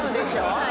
はい。